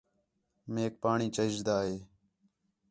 میک پاݨی چاہیجدا ہے